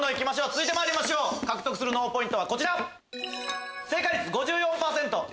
続いてまいりましょう獲得する脳ポイントはこちら！